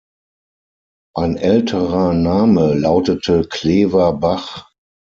Ein älterer Name lautete Klever Bach.